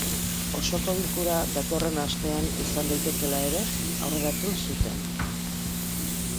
Osoko bilkura datorren astean izan daitekeela ere aurreratu zuten.